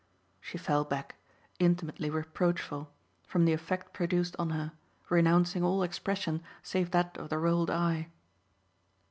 She fell back, intimately reproachful, from the effect produced on her, renouncing all expression save that of the rolled eye.